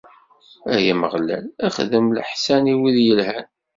Ay Ameɣlal, xdem leḥsan i wid yelhan.